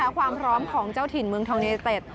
ความพร้อมของเจ้าถิ่นเมืองทองเยเต็ต